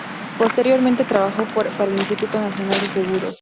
Posteriormente trabajó para el Instituto Nacional de Seguros.